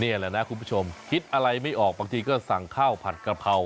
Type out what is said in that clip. นี่แหละนะคุณผู้ชมคิดอะไรไม่ออกบางทีก็สั่งข้าวผัดกะเพรา